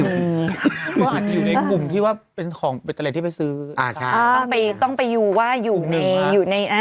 ก็อาจอยู่ในกลุ่มที่ว่าเป็นของที่ไปซื้อต้องไปอยู่ว่าอยู่ใน